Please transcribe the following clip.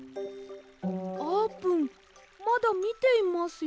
あーぷんまだみていますよ。